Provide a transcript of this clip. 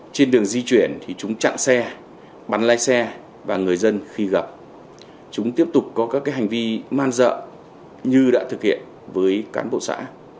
trên đường di chuyển thì chúng chặn xe bắn lái xe và người dân khi gặp chúng tiếp tục có các hành vi man dợ như đã thực hiện với cán bộ xã